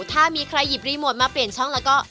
ถ้ามีใครหยิบรีโมทมาเปลี่ยนช่องแล้วก็